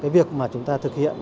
việc mà chúng ta thực hiện